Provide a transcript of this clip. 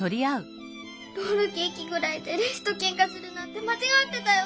ロールケーキぐらいでレスとけんかするなんてまちがってたよ。